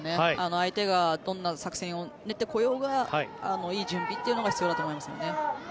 相手がどんな作戦を練ってこようがいい準備というのが必要だと思いますよね。